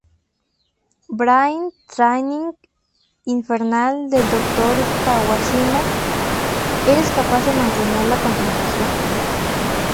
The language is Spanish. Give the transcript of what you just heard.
Brain Training Infernal del Dr. Kawashima: ¿Eres capaz de mantener la concentración?